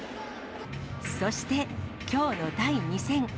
そしてきょうの第２戦。